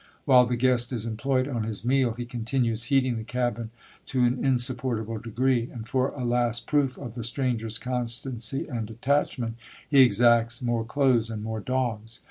While the guest is employed on his meal, he continues heating the cabin to an insupportable degree; and for a last proof of the stranger's constancy and attachment, he exacts more clothes and more dogs.